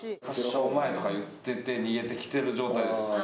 「発祥前」とか言ってて逃げてきてる状態です。